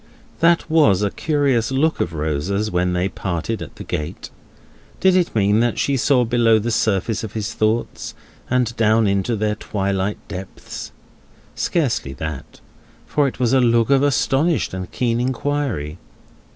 That was a curious look of Rosa's when they parted at the gate. Did it mean that she saw below the surface of his thoughts, and down into their twilight depths? Scarcely that, for it was a look of astonished and keen inquiry.